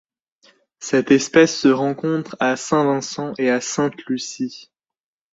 Cette espèce se rencontre à Saint-Vincent et à Sainte-Lucie.